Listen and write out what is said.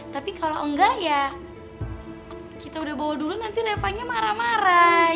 tapi kalau enggak ya kita udah bawa dulu nanti revanya marah marah